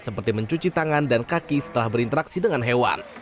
seperti mencuci tangan dan kaki setelah berinteraksi dengan hewan